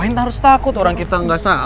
ngapain harus takut orang kita gak salah kok